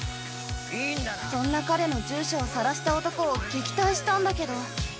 そんな彼の住所をさらした男を撃退したんだけど。